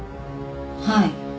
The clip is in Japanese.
はい。